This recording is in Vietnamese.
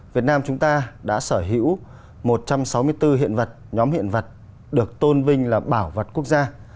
việt nam chúng ta đã sở hữu một trăm sáu mươi bốn hiện vật nhóm hiện vật được tôn vinh là bảo vật quốc gia